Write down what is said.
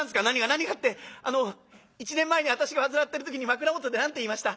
「何がってあの一年前に私が煩ってる時に枕元で何て言いました？